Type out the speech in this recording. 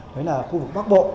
đấy là khu vực bắc bộ